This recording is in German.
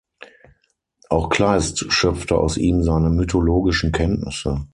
Auch Kleist schöpfte aus ihm seine mythologischen Kenntnisse.